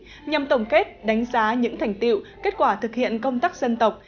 huyện thạch thắt có qua hai năm quan trọng khai giá những thành tiệu kết quả thực hiện công tác dân tộc